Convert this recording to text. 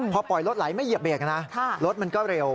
พอปล่อยรถไหลไม่เหยียบเบรกนะรถมันก็เร็ว